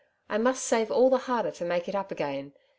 I must save all the harder to make it up again.